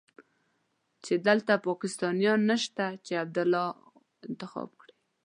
چې دلته پاکستانيان نشته چې عبدالله انتخاب کړي.